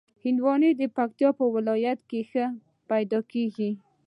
هندوانه د پکتیا په ولایت کې ښه پیدا کېږي.